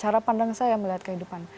cara pandang saya melihat kehidupan